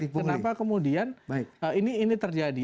kenapa kemudian ini terjadi